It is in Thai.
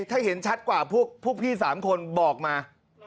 ถ้าเห็นชัดกว่าพวกพี่๓คนบอกมา